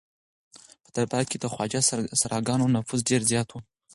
په دربار کې د خواجه سراګانو نفوذ ډېر زیات و.